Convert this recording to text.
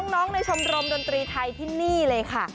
ในชมรมดนตรีไทยที่นี่เลยค่ะ